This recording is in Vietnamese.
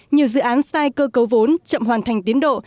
nhiều dự án sai cơ cấu vốn chậm hoàn thành tiến độ